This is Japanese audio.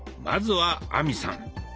まずは亜美さん。